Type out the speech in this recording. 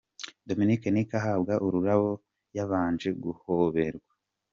Dominic Nic ahabwa ururabo, yabanje guhoberwa.